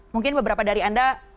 mungkin beberapa dari anda